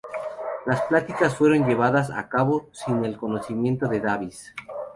Las pláticas fueron llevadas a cabo sin el conocimiento de Davis.